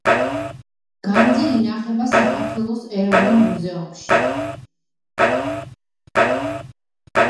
განძი ინახება საქართველოს ეროვნულ მუზეუმში.